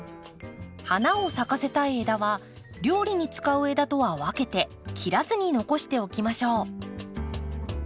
花を咲かせたい枝は料理に使う枝とは分けて切らずに残しておきましょう。